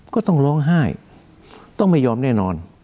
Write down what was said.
ก็ต้องร้องไห้ต้องไม่ยอมแน่นอน